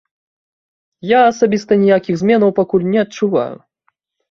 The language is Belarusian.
Я асабіста ніякіх зменаў пакуль не адчуваю.